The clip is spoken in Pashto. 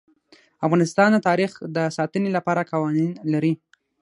افغانستان د تاریخ د ساتنې لپاره قوانین لري.